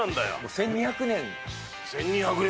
１２００年。